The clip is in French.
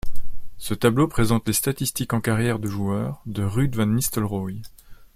Ce tableau présente les statistiques en carrière de joueur de Ruud Van Nistelrooy.